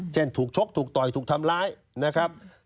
เช่นถูกชกถูกต่อยถูกทำร้ายนะครับ